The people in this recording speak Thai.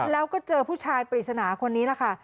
แล้วก็เจอผู้ชายปริศนาคนนี้แหละค่ะ